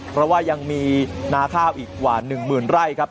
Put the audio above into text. เพราะว่ายังมีนาข้าวอีกกว่า๑๐๐๐ไร่ครับ